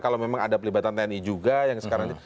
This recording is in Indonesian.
kalau memang ada pelibatan tni juga yang sekarang